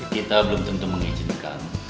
kita belum tentu mengizinkan